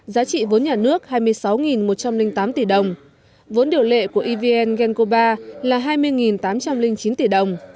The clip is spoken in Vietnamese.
giá trị vốn nhà nước hai mươi sáu một trăm linh tám tỷ đồng vốn điều lệ của evn gencova là hai mươi tám trăm linh chín tỷ đồng